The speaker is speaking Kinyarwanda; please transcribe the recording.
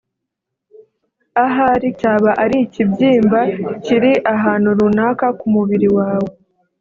ahari cyaba ari ikibyimba kiri ahantu runaka ku mubiri wawe